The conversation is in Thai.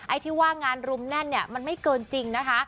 ไอ้ที่ว่างานรุมแน่นเนี่ยมันไม่เกินจริงนะคะ